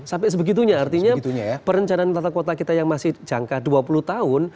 sampai sebegitunya artinya perencanaan tata kota kita yang masih jangka dua puluh tahun